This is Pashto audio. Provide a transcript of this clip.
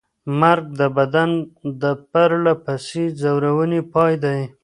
مرګ د بدن د پرله پسې ځورونې پای دی.